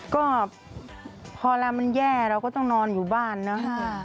ก็พอเวลามันแย่เราก็ต้องนอนอยู่บ้านเนอะ